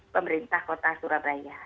pemerintah kota surabaya